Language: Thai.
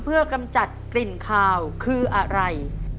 เพื่อกำจัดกลิ่นคาวคืออะไร